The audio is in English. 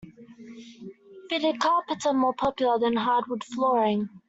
Fitted carpets are more popular than hardwood flooring